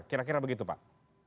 kira kira begitu pak